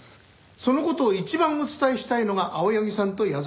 その事を一番お伝えしたいのが青柳さんと矢沢さんなんです。